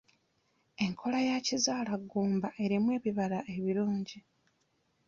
Enkola ya kizaalaggumba erimu ebibala ebirungi.